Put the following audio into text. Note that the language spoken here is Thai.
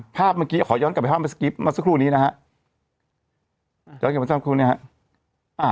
ภาพเมื่อกี้ขอย้อนกลับไปภาพมาสกิปมาสักครู่นี้นะฮะ